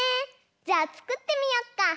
じゃあつくってみよっか！